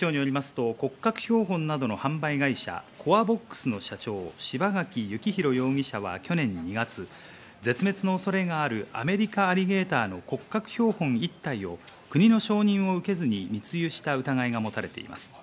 警視庁によりますと骨格標本などの販売会社、コアボックスの社長、柴垣幸弘容疑者は、去年２月、絶滅の恐れがあるアメリカアリゲーターの骨格標本１体を国の承認を受けずに密輸した疑いがもたれています。